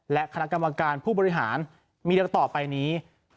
และคณะกรรมการผู้บริหารมีดังต่อไปนี้